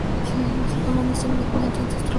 Los otomanos enviaron, entonces, tropas a Arabia.